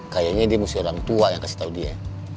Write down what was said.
kayanya dia musti orang tua yang kasih tau dia